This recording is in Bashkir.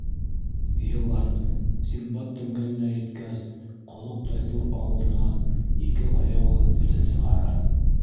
Йылан, Синдбад тәңгәленә еткәс, ҡоҙоҡтай ҙур ауыҙынан ике ҡаяулы телен сығара.